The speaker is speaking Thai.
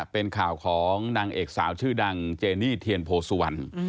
เป็นข่าวของนางเอกสาวชื่อดังเจนี่เทียนโพสุวรรณ